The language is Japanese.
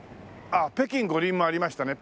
あっ北京五輪もありましたね。